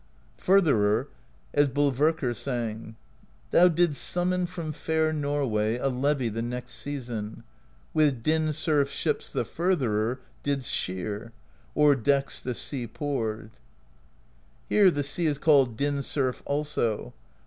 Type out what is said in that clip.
Furtherer, as Bolverkr sang: Thou didst summon from fair Norway A levy the next season, With Din Surf's ships the Furtherer Didst shear; o'er decks the sea poured. Here the sea is called Din Surf also.